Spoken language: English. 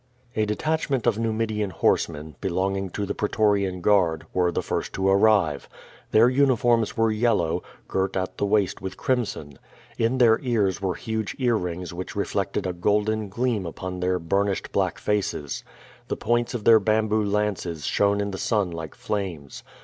A detachment of Numidian horsemen, belonging to the pretorian guard, were the first to arrive. Their uniforms were yellow, girt at the waist with crimson. In their ears were huge earrings which reflected a golden gleam upon their burnished black faces. The points of their bamboo lances shone in the sun like flames.